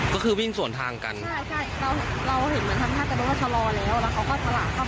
อยู่ไปทางนี้แล้วมาทางนี้